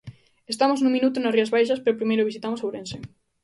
Estamos nun minuto nas Rías Baixas pero primeiro visitamos Ourense.